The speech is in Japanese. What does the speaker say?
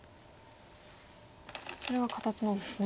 それが形なんですね。